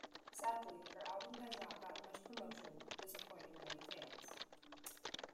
Sadly, her album has not gotten much promotion, disappointing many fans.